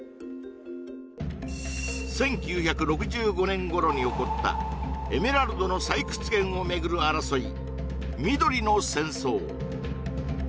１９６５年頃に起こったエメラルドの採掘権を巡る争い